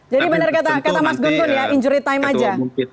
jadi benar kata mas gungun ya injury time aja